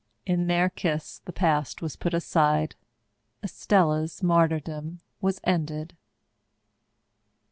In their kiss the past was put aside. Estella's martyrdom was ended.